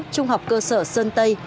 trung học cơ sở sơn tây